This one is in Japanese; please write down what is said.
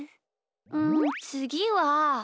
うんつぎは。